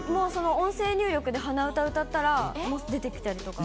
音声入力で鼻歌歌ったら、出てきたりとか。